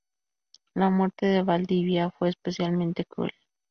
La muerte de Valdivia fue especialmente cruel.